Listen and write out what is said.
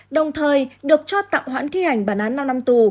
đồng thời được cho tạm hoãn thi hành bản án năm năm tù